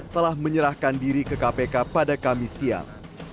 telah menyerahkan diri ke kpk pada kamis siang